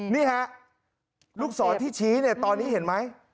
นี่ฮะลูกศรที่ชี้เนี่ยตอนนี้เห็นไหม